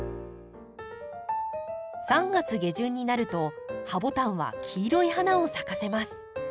３月下旬になるとハボタンは黄色い花を咲かせます。